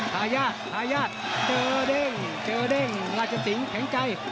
ทายาททายาทเจอเด้งเจอเด้งราชติงแข็งใจ